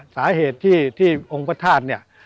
สาเหตุที่องค์พระธาตุเนี่ย